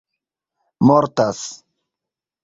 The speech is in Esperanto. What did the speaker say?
mortas